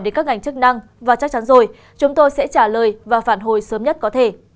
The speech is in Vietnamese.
đến các ngành chức năng và chắc chắn rồi chúng tôi sẽ trả lời và phản hồi sớm nhất có thể